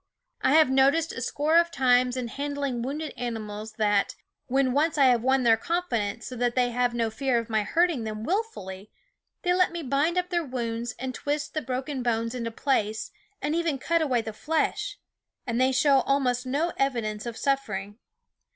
I have noticed a score of times in han dling wounded animals that, when once I have won their confidence so that they have no fear of my hurting them willfully, they let me bind up their wounds and twist the broken bones into place, and even cut 330 Gladsome 9 SCHOOL OF away the flesh ; and they show almost no evidence of suffering.